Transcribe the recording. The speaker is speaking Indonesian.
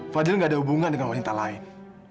fadil gak ada hubungan dengan wanita lain